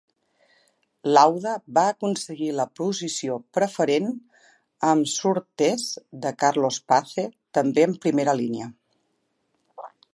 Lauda va aconseguir la posició preferent amb el Surtees de Carlos Pace també en primera línia.